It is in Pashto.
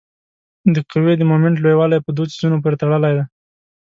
د قوې د مومنټ لویوالی په دوو څیزونو پورې تړلی دی.